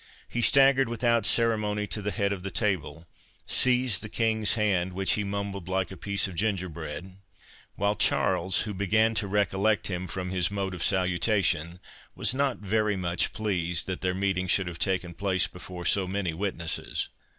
He staggered without ceremony to the head of the table, seized the King's hand, which he mumbled like a piece of gingerbread; while Charles, who began to recollect him from his mode of salutation, was not very much pleased that their meeting should have taken place before so many witnesses.